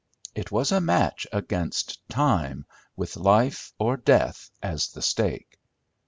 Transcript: It was a match against time, with life or death as the stake.